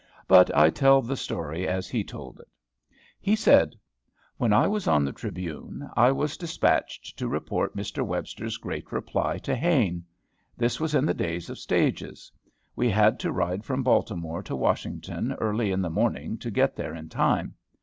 But I tell the story as he told it. He said, When I was on the "Tribune," I was despatched to report Mr. Webster's great reply to Hayne. This was in the days of stages. We had to ride from Baltimore to Washington early in the morning to get there in time.